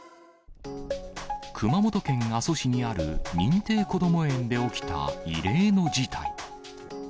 熊本県阿蘇市にある認定こども園で起きた異例の事態。